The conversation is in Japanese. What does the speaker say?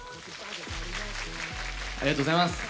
ありがとうございます。